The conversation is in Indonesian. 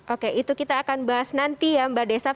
oke itu kita akan bahas nanti ya mbak desaf